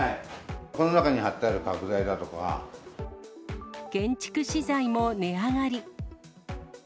この中に張ってある角材だと建築資材も値上がり。